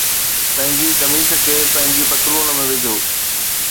پنھنجي قميص کي پنھنجي پتلون ۾ وجھو